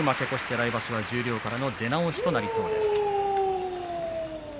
来場所は十両からの出直しということになりそうです。